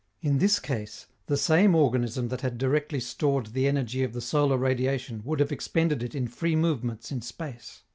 In this case, the same organism that had directly stored the energy of the solar radiation would have expended it in free movements in space.